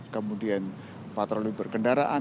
kemudian patroli berkendaraan